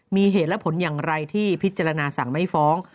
มีเหตุและผลอย่างไรที่พิจารณาสั่งไม่ฟ้อง